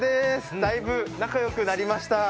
大分仲良くなりました。